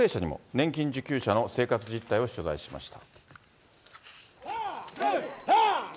年金受給者の生活実態を取材しました。